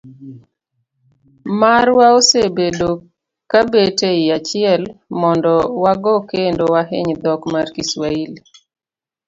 Marwa osebedo ka bet e i achiel mondo wago kendo wahiny dhok mar Kiswahili.